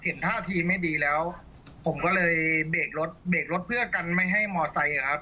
ท่าทีไม่ดีแล้วผมก็เลยเบรกรถเบรกรถเพื่อกันไม่ให้มอไซค์อ่ะครับ